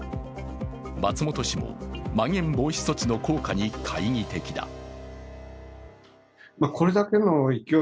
松本氏もまん延防止措置の効果に懐疑的だ。